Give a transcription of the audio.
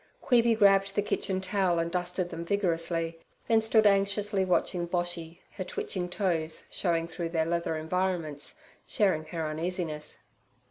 Queeby grabbed the kitchen towel and dusted them vigorously, then stood anxiously watching Boshy, her twitching toes, showing through their leather environments, sharing her uneasiness.